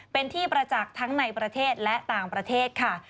เป็นที่ประจักษ์ทั้งในประเทศและต่างประเทศค่ะ